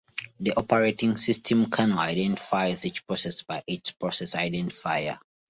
The operating system kernel identifies each process by its process identifier.